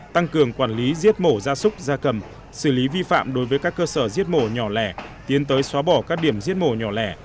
tăng cường quản lý giết mổ gia súc gia cầm xử lý vi phạm đối với các cơ sở giết mổ nhỏ lẻ tiến tới xóa bỏ các điểm giết mổ nhỏ lẻ